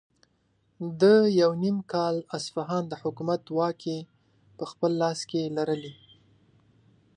ده یو نیم کال اصفهان د حکومت واکې په خپل لاس کې لرلې.